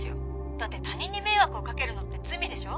だって他人に迷惑をかけるのって罪でしょ？